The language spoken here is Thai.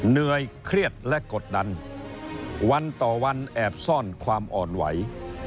เหนื่อยเครียดและกดดันวันต่อวันแอบซ่อนความอ่อนไหว